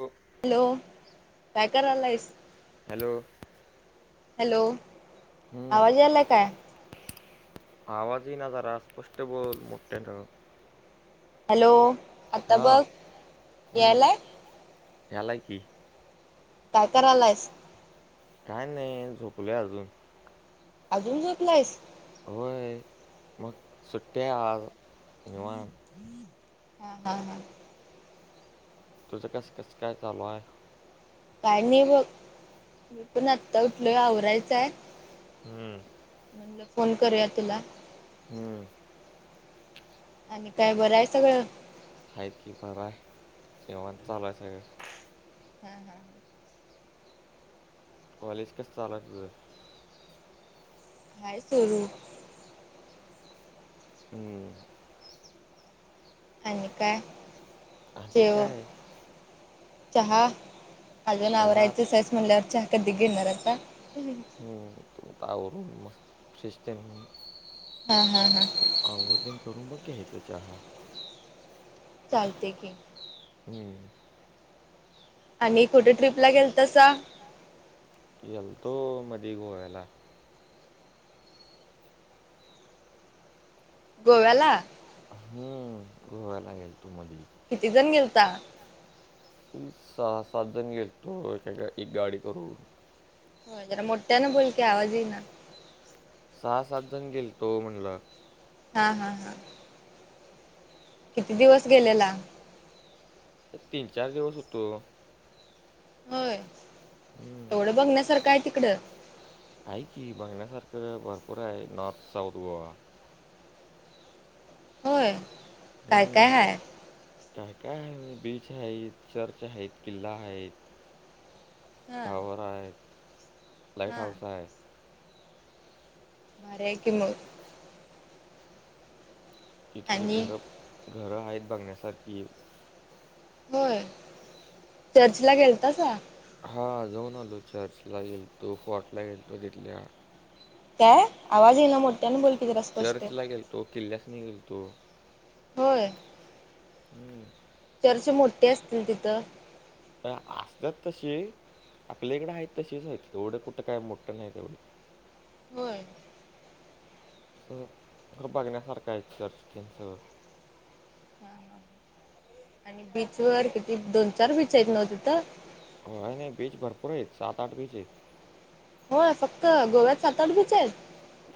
हो. हॅलो काय करायलाईस. हॅलो. हॅलो हम्म, आवाज यालाय काय? आवाज यी ना जरा स्पष्ट बोल मोठ्यानं. हॅलो. आता हा बघ हम्म यायलाय यालय की. काय करायलाइस? काय नाय झोपलोय अजून. अजून झोपलायस. होय मग सुट्टी ये आज निवान हा [inaudible] तुझं कसं कस काय चालू आहे? काय नाही बघ, मी पण आत्ता उठलोय आवरायचंय. हू. म्हणल, फोन करूया तुला. हुं. आणि काय बरं आहे सगळं? हाईक किपर आहे, तेव्हाच चालू आहे सगळे. हा हा. कॉलेज कसं चालू आहे तुझं? बाय सोनू. हू हू. आणि काय आणि शेव, काय चहा? अजून चहा आवरायचं आहेस म्हणल्यावर, चहा कधी घेणारआता? हुं हू आता आवरून मस्त फ्रेश होऊन. हा हा हा आंघोळ तीन करून बघ की, हित चहा. चालतंय की. हुं. आणि कुठ ट्रिप ला गेलतो सा? गेलतो मधी गोव्याला. गोव्याला? हुं, गोव्याला गेलतो मधी. किती जण गेलता? सहा सात जण गेल तो, एका एक गाडी करून. हो जरा मोठ्या न बोलकी आवाज ईना. सहा सात जण गेले तो म्हणलो. हा हा हा. किती दिवस गेलेला? तीन, चार दिवस होतो. होय, हं. एवढं बघण्यासारखं आहे तिकडं? हाय की, बघण्यासारखं भरपूर आहे. North, south Goa. होय हू. काय काय हाय काय काय आहे, बीच आहेत, चर्च आहेत, किल्ला आहेत. हा टॉवर आहेत, लाइट हा हाऊस आहे. आहे की मग. इथली आणि घरं, घरं आहेत बघण्यासारखी. होय, चर्च ला गेलतासा? हा जाऊन आलो. चर्चला गेलतो, फोर्ट ला गेलातो तिथल्या. काय? आवाज ये ना मोठ त्यांन बोलकी जर असत चर्च ला गेलतो. किल्ल्यास नि गेलतो. होय. हू. चर्चे मोठे असतील तिथं. तर असतात तशे. आपल्याकडे आहेत तशीच आहेत एवढं कुठं काय मोठं नाही एवढे होय खरं बघण्यासारखं आहे चर्चे आणि ते सगळं हा हा- बीच वर किती दोन चार बीच आहेत नव्ह तिथं हो नाही बीच भरपूर आहेत सात, आठ बीच आहेत होय फक्त गोव्यात सात आठ बीच आहेत?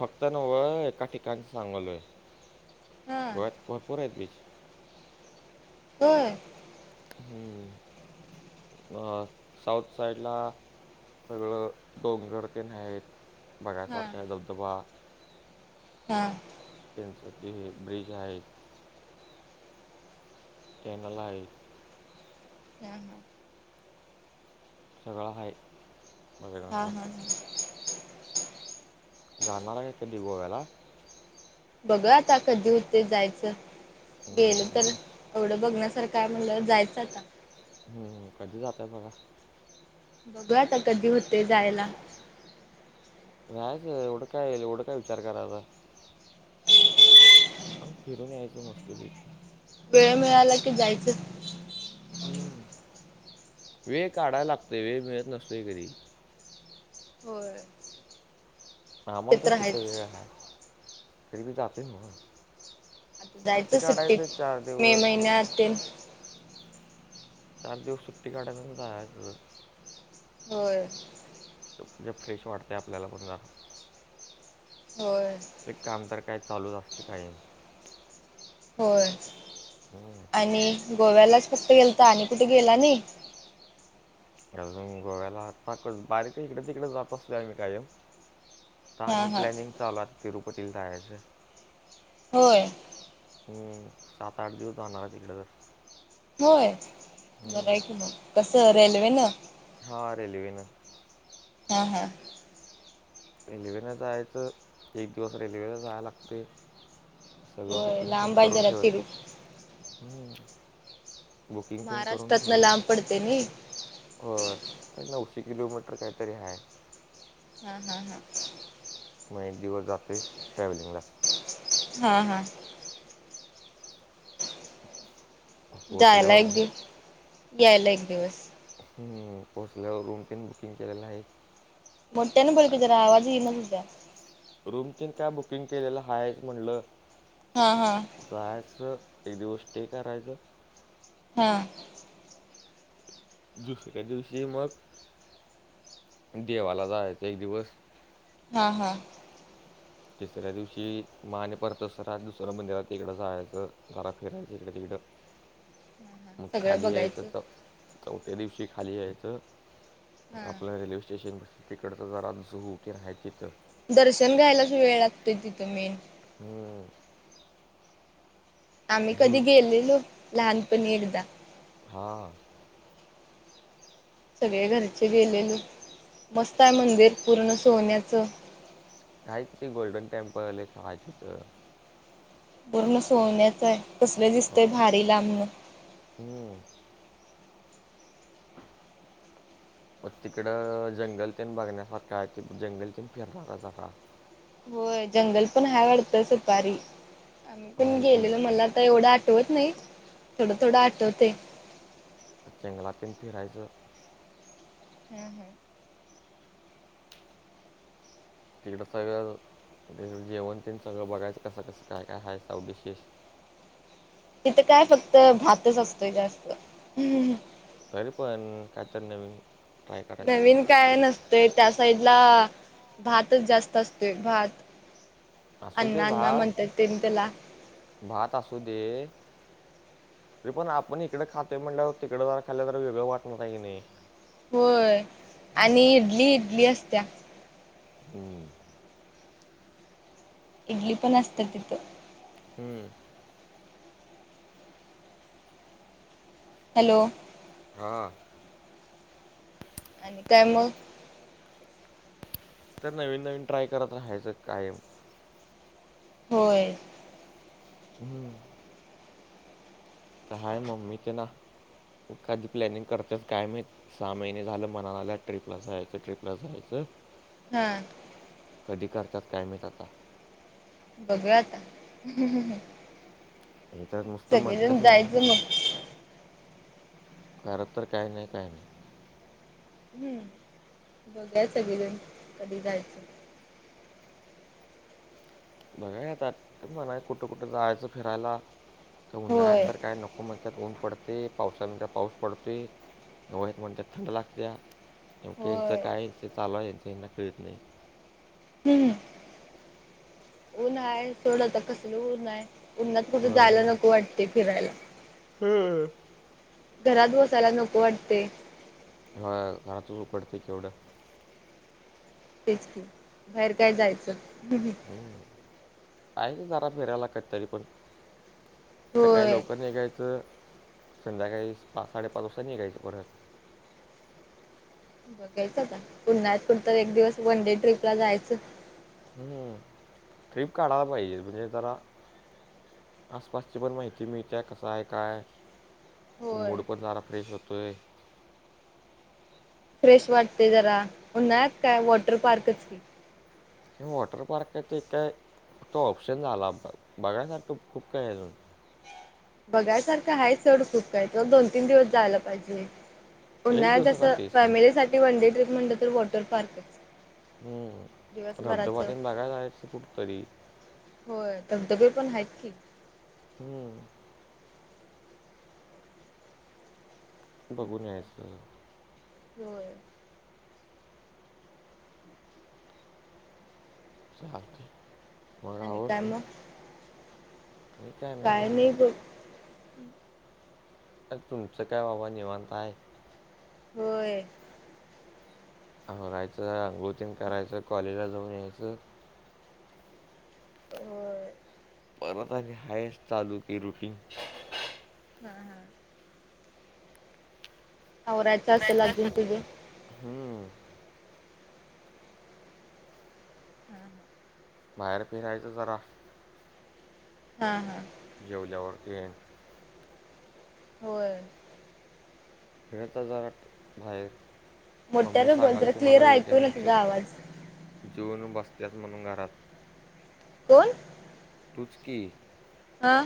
फक्त नववं एक ठिकाण सांगलोय हा भरपूर आहेत बीच होय आ साऊथ साईडला सगळं डोंगर ते आहे हा बघयसारखा, धबधबा हा त्यांचं ते ब्रिज आहेत, कॅनल आहेत हा हा सगळा आहे हा हा बघण्यासारखं हा जाणार आहे का कधी गोवाला बघ आता कधी होते जायचं गेलं हं, तर बघा. एवढं बघण्यासारखं काय म्हणलं जायचं आता हम्, कधी जातय बघा बघू आता कधी होते जायला जायचं एवढं काय एवढं काय विचार करायला आम फिरून यायचो मस्त पैकी वेळ मिळाला की जायचं हम्म वेळ काढायला लागतय वेळ मिळत नसते कधी होय - आम्हाला तर कुठ वेळ आहे तरी भी जात नवा आता सुट्टी काढायचं एक चार दिवस तेच चार दिवस सुट्टी काढाय आणि जायचं होय फ्रेश वाढते आपल्याला पण होय एक काम तर काय चालूच असते कायम होय हम्म. आणि गोव्यालाच फक्त गेलता तर आणि कुठे गेला नाही? अजून, गोव्याला बारीक येकडे तिकडेच जात असलोय मी कायम हा आताआणि हा प्लॅनिंग चालू आता तिरूपतीला जायचं होय हा, सात-आठ दिवस जाणार आहे तिकड तर होय बर हम्म. आहे की मग, कसं रेल्वेन हा रेलवेन हा हा रेल्वेने जायचं एक दिवस रेल्वेला जायला लागते सगळं होय बुकिंग ते लांब आहे करून जरा तिरू ठेवलं बुकिंग तेन करून महाराष्ट्रातन ठेवले लांब पडते नाही होय एक नऊशे किलोमीटर काहीतरी आहे हा हम हम माहा एक दिवस जाते ट्रॅव्हलिंगला च हं हं जायला पोचल्यावर एक दिवस यायला एक दिवस हम्म पोहोचल्यावर रूम तीन बुकिंग केलेल आहेच मोठ्यान बोल की जरा आवाज येईना तुझा रूम तेन काय बुकिंग केलेल हायच म्हटल हां हां जायच एक दिवस स्टे करायच हं दुसऱ्या दिवशी मग देवाला जायच एक दिवस हां हां तिसऱ्या दिवशी म आणि परत अस राजुश्वेर मंदिरात तिकड जायच जरा फिरायच इकड तिकड [unintelligible] मग सगळं खाली यायच बघायचं च चौथ्या दिवशी खाली यायच हा आपल्या रेल्वे स्टेशन तिकडच जरा सुरु की आहे तीथ दर्शन घ्यायलाच वेळ लागतोय तिथ मेन हम्म आम्ही झू कधी गेलेलो लहानपणी एकदा हां सगळे घरचे गेलेल मस्त आहे मंदिर पुर्ण सोन्याच काही तिथं ते गोल्डन टेंम्पल एक आहे तिथं पुर्ण सोन्यच आहे कसले अ, दिसतय भारी लांबण हम्म. [inaudible] मग तिकड जंगल तेन बघण्यासारखा आहे ते जंगलतन फिरणारच आत्ता होय जंगल पण आहे वाटत सफारी आम्ही पण आहे की गेलेलो मला तर एवढं आठ आठवत नाही थोडं थोडं आठवते जंगलातुन फिरायच हम हम तिकड सगळ तिकड जेवण तेन सगळ बघायच कस कस काय काय हाय सर्व डिशेस तिथं काय फक्त भातच असतो जास्त हं तरी पण काहीतरी नवीन ट्राय करायच आहेत असती ते त्या साईडला भातच जास्त असतो भात असू दे अण्णा अण्णा भात म्हणत तेन त्याला भात असु दे तरी पण आपण इकडे खातो म्हणल्यावर तिकडे जर खाल्ल तर वेगळ वाटत का नाही होय मग आणि इडली इडली असत्या हम्म्म - इडली पण असत्या तिथं हम् हॅलो हां आणि काय मग तर नवीन नवीन ट्राय करत राहायच कायम होय हम्म. तर लाय मम्मीचे ना, तू कधी प्लॅनिंग करतेस काय माहित. सहा महिने झालं म्हना लागल्या, ट्रिपला जायचं, ट्रिपला जायचं. हां. कधी करतात काय माहीत आता. बघुया आता. ती तर नुस्त सगळेजण म्हणत्याच जायचं मम्मी. मग खरं तर काही नाही, काही नाही. हम्म. बघुया सगळी जण कधी जायचं. बघुया आता म्हणाल्यात कुठं कुठं जायचं फिरायला, ते होय उन्हाळ्यात तर काय नको म्हणत्यात. ऊन पडतय, पावसाळ्यात म्हणत्यात पाऊस पडतोय, हिवाळ्यात म्हणत्यात थंड लागत्या. नेमकं यांचं होय कायं चालू आहे, यांच यांना कळत नाही. हम्. ऊन्ह आहे सोड आता कसल ऊन आहे, उन्हात कुठे जायला नको वाटतय फिरायला. हम्म. घरात बसायला नको वाटतेय. ह घरातच उकडतय केवढं. तेच की बाहेर काय जायचं. हं आहे की जरा फिरायला खरं तरी पण. सकाळी होय लवकर निघायचं, संध्याकाळी पाच साडेपाच वाजता निघायचं परत. बघायचं आता उन्हाळ्यात कुठं तर एक दिवस वन डे ट्रीप ला जायचं. हं ट्रिप काढायलाच पाहिजे, म्हणजे जरा आसपासची पण माहिती मिळत्या, कसं आहे काय. होय मूड पण जरा फ्रेश होतोय. फ्रेश वाटतय जरा, उन्हाळ्यात काय वॉटर पार्कच. वॉटर पार्क काय ते काय फक्त ऑप्शन झाला आपल्याला, बघायसारखं खूप काही हाय अजून. बघायसारखं आहे सोड खूप काय, पण दोन तीन दिवस जायला पाहिजे. एक उन्हाळ्यात जसं दिवसासाठीच. फॅमिलीसाठी वनडे ट्रिप म्हणल तर वॉटर पार्कच. हम्म धबधबा दिवसभराचं तेन बघायला जायचं कुठ तरी. होय धबधबे पण आहेत. हम्म. बघुन यायचं. होय. चालतयं. आणि काय मगं. आणि काय नाही. आणि तुमचं काय बाबा निवांत आहे. होय. आवरायचं अंघोळ तेन करायचं, कॉलेजला जाऊन यायचं होय परत आणि हाय असं चालू की रुटीन हां. आवरायचं असलं अजून तुझ. हं. हा. बाहेर फिरायचं जरा. हा-हा. जेवल्यावरती- होय- [unintelligible] बाहेर मम्मी मोठ्यानं बोल सांगाल जरा ती क्लिअर मला ऐकू ना तुझा आवाज [unintelligible] बसल्यात म्हणून घरात. कोण? तूच कि. हा.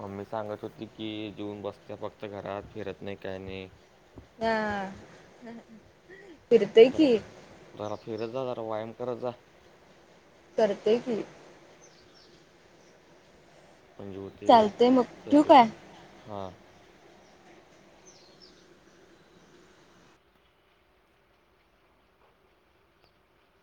मम्मी सांगत होती की जेऊन बसते फक्त घरात फिरत नाही काय नाही. ह. फिरते जरा कि. जरा फिरत जा, जरा व्यायाम करत जा. करते कि. चालतय मग, ठिऊ का? हा.